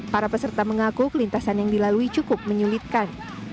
para peserta mengaku kelintasan yang dilalui cukup menyulitkan